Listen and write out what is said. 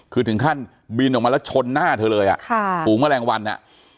คือถึงขั้นบินออกมาแล้วชนหน้าเธอเลยอ่ะค่ะฝูงแมลงวันอ่ะ